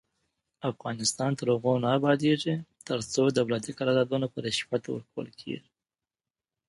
افغانستان تر هغو نه ابادیږي، ترڅو دولتي قراردادونه په رشوت ورکول کیږي.